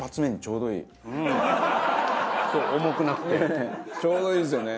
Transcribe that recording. ねえちょうどいいですよね。